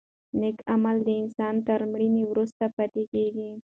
نېک عمل د انسان تر مړینې وروسته پاتې کېږي.